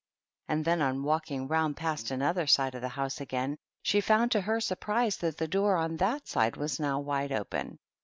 And then, on walking round past another side of the house again, she found to her sur prise that the door on that side was now wide open.